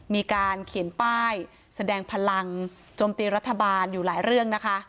มีการเขียนป้ายแสดงพลังโจมตีรัฐบาลอยู่หลายเรื่องนะคะ